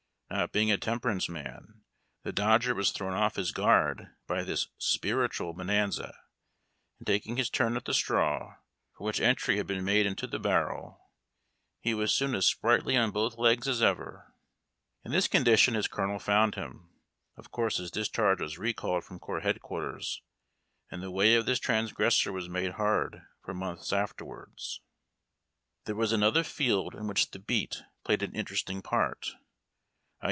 Not being a temperance man, the dodger was thrown off his guard by this sjAritwal bonanza, and, taking his turn at the straw, for which entry had been made into the barrel, he was soon as sprightly on both legs as ever. In this condition his colonel found him. Of course his discharge was recalled from corps headquarters, and the way of this transgressor was made hard for months afterwards. There was another field in which the beat played an inter esting part.